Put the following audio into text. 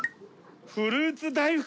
フルーツ大福！